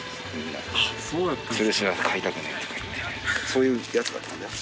そういうやつだったんだよ。